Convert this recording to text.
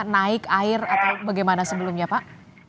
naik air atau bagaimana sebelumnya pak